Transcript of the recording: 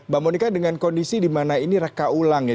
mbak monika dengan kondisi di mana ini reka ulang ya